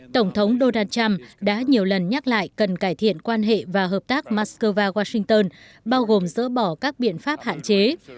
tổng thống donald trump đã nhiều lần nhắc lại cần cải thiện quan hệ và hợp tác moscow washington bao gồm dỡ bỏ các biện pháp hạn chế